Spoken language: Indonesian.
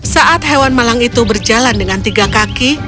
saat hewan malang itu berjalan dengan tiga kaki